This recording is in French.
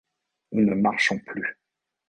Nous ne marchons plus.